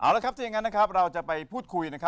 ถ้าอย่างงั้นเราจะไปพูดคุย